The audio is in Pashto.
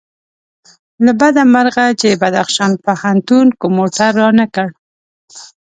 له بده مرغه چې بدخشان پوهنتون کوم موټر رانه کړ.